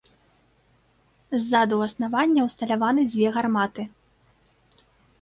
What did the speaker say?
Ззаду ў аснавання ўсталяваны дзве гарматы.